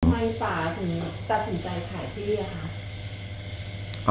ทำไมป่าคุณตัดสินใจขายที่หรือคะ